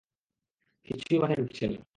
কিছুই মাথায় ঢুকছে না।